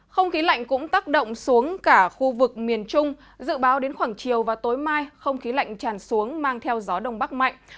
không khí lạnh cũng tác động xuống cả khu vực miền trung dự báo đến khoảng chiều và tối mai không khí lạnh tràn xuống mang theo gió đông bắc mạnh